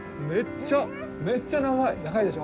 めっちゃめっちゃ長い！